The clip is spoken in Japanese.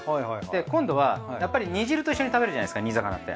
今度はやっぱり煮汁と一緒に食べるじゃないですか煮魚って。